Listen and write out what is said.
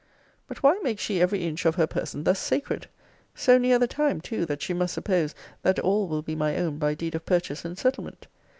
But why makes she every inch of her person thus sacred? So near the time too, that she must suppose, that all will be my own by deed of purchase and settlement?